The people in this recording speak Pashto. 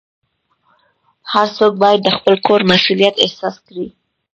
هر څوک باید د خپل کور مسؤلیت احساس کړي.